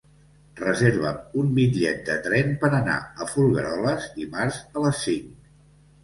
Reserva'm un bitllet de tren per anar a Folgueroles dimarts a les cinc.